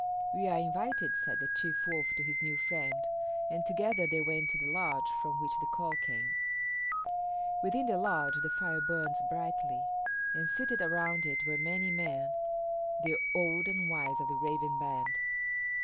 "We are invited," said the chief Wolf to his new friend, and together they went to the lodge from which the call came. Within the lodge the fire burned brightly, and seated around it were many men, the old and wise of the Raven band.